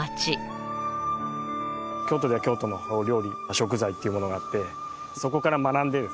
京都では京都の料理食材っていうものがあってそこから学んでですね